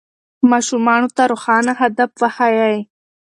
ماشومانو ته روښانه هدف وښیئ.